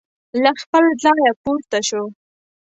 له خپل ځایه پورته شو.